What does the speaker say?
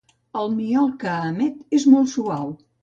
El miol que emet és molt suau.